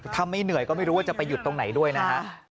ถ้าไม่เหนื่อยก็ไม่รู้ว่าจะไปหยุดตรงไหนด้วยนะฮะ